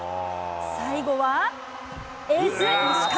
最後は、エース、石川。